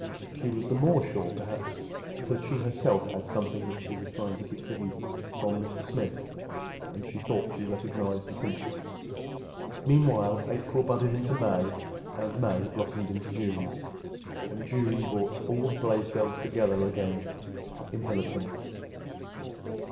She was the more sure, perhaps, because she herself had something that she was trying to keep from Mr. Smith—and she thought she recognized the symptoms. Meanwhile April budded into May, and May blossomed into June; and June brought all the Blaisdells together again in Hillerton.